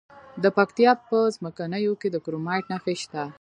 د پکتیا په څمکنیو کې د کرومایټ نښې شته.